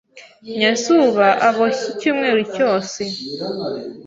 Nyazuba aboshye icyumweru cyose.